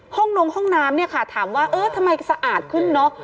ห้องนมห้องน้ำถามว่าทำไมสะอาดขึ้นเนอะ